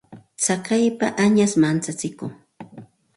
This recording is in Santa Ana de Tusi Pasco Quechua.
Tsakaypa añash manchachikun.